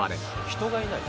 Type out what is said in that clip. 人がいない。